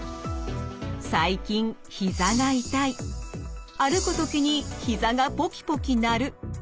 最近ひざが痛い歩く時にひざがポキポキ鳴る。